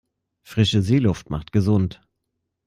Frische Seeluft macht gesund.